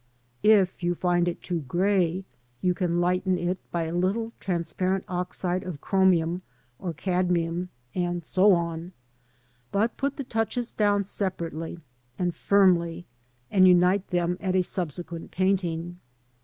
If you find it too grey, you can lighten it by a little transparent oxide of chromium or cadmium, and so on ; but put the touches down separately and firmly, and unite them at a subsequent painting.